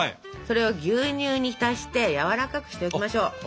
それを牛乳に浸してやわらかくしておきましょう。